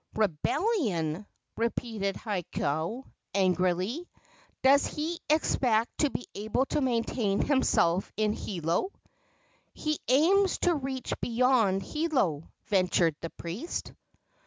"Rebellion!" repeated Hakau, angrily. "Does he expect to be able to maintain himself in Hilo?" "His aims reach beyond Hilo," ventured the priest.